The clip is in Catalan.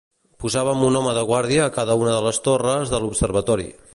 Posàvem un home de guàrdia a cada una de les torres de l'observatori